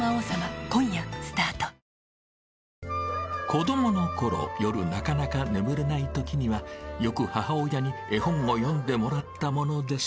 ［子供のころ夜なかなか眠れないときにはよく母親に絵本を読んでもらったものです］